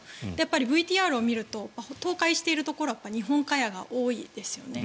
ＶＴＲを見ると倒壊しているところは日本家屋が多いですよね。